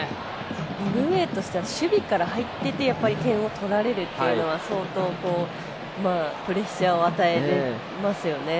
ノルウェーとしては守備から入って点を取られるというのは相当、プレッシャーを与えますね。